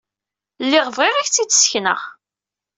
Lliɣ bɣiɣ ad ak-t-id-ssekneɣ.